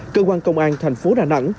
cơ quan công an thành phố đà nẵng